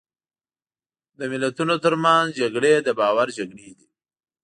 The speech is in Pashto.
د ملتونو ترمنځ جګړې د باور جګړې دي.